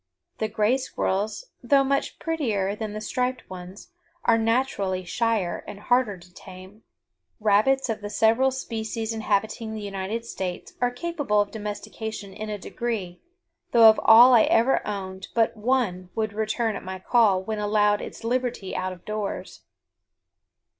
The gray squirrels, though much prettier than the striped ones, are naturally shyer and harder to tame. Rabbits of the several species inhabiting the United States are capable of domestication in a degree, though of all I ever owned but one would return at my call when allowed its liberty out of doors.